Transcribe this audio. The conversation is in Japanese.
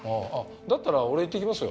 だったら俺が行ってきますよ。